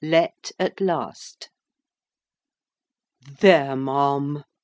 LET AT LAST "There, ma'am!"